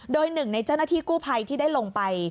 โดยหนึ่งในเจ้าหน้าที่กู้ภัยที่ได้ลงไป